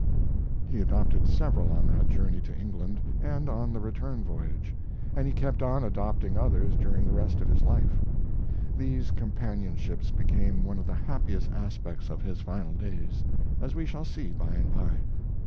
He adopted several on that journey to England and on the return voyage, and he kept on adopting others during the rest of his life. These companionships became one of the happiest aspects of his final days, as we shall see by and by.